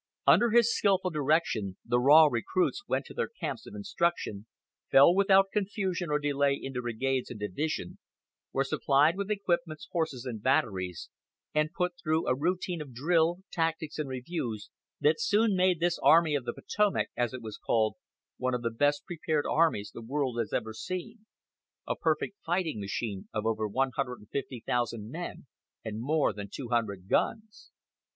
Under his skilful direction the raw recruits went to their camps of instruction, fell without confusion or delay into brigades and divisions, were supplied with equipments, horses and batteries, and put through a routine of drill, tactics and reviews that soon made this Army of the Potomac, as it was called, one of the best prepared armies the world has ever seen a perfect fighting machine of over 150,000 men and more than 200 guns.